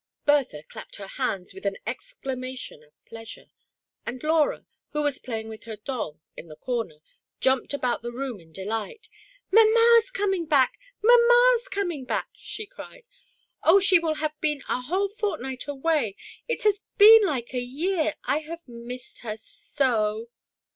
THE PRISONER IN DARKNESS. Bertha clapped her liands with an exclamation of pleasure ; and Laura, who was playing with her doll in a comer, jumped about the I'ooin in delight, "Mamma's coming back! — mamma's coming back I" she cried. "Oh, she will have been a whole fortnight away ! It has been like a year — I have missed her so!"